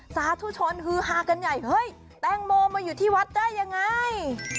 สาธุชนฮือฮากันใหญ่เฮ้ยแตงโมมาอยู่ที่วัดได้ยังไง